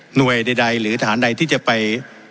หน่วยใดหรือทหารใดที่จะไป